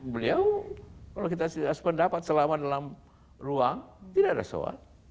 beliau kalau kita sependapat selama dalam ruang tidak ada sholat